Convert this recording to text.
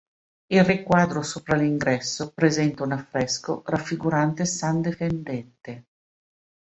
Il riquadro sopra l'ingresso presenta un affresco raffigurante San Defendente.